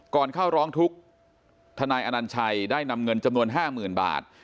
ก่อนเข้าร้องทุกข์ทนายอนัญชัยได้นำเงินจำนวน๕๐๐๐บาท